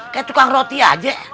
kayak tukang roti aja